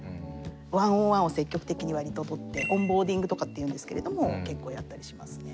１ｏｎ１を積極的に割と取ってオンボーディングとかっていうんですけれども結構やったりしますね。